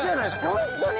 本当に！